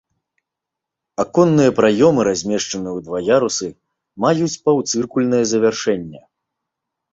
Аконныя праёмы, размешчаныя ў два ярусы, маюць паўцыркульнае завяршэнне.